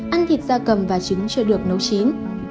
ăn thịt da cầm và trứng chưa được nấu chín